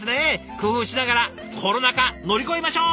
工夫しながらコロナ禍乗り越えましょう！